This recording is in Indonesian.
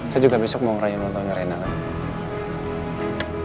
saya juga besok mau ngerayu nonton rena kan